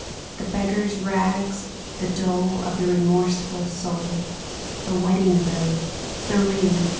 The beggar's rags, the dole Of the remorseful soul. The wedding robe, the ring.